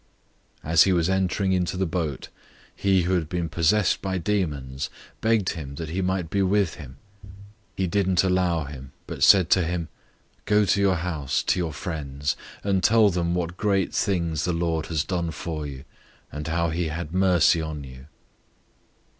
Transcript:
005:018 As he was entering into the boat, he who had been possessed by demons begged him that he might be with him. 005:019 He didn't allow him, but said to him, "Go to your house, to your friends, and tell them what great things the Lord has done for you, and how he had mercy on you."